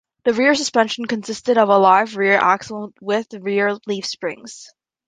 The rear suspension consisted of a live rear axle with rear leaf springs.